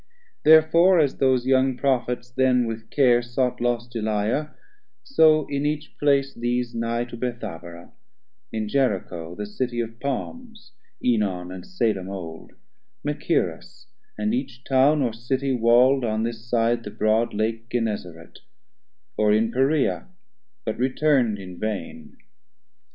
Therefore as those young Prophets then with care Sought lost Eliah, so in each place these Nigh to Bethabara; in Jerico 20 The City of Palms, Aenon, and Salem Old, Machaerus and each Town or City wall'd On this side the broad lake Genezaret Or in Perea, but return'd in vain.